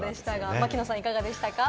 槙野さん、いかがでした？